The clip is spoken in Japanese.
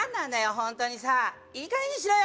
ホントにさいい加減にしろよ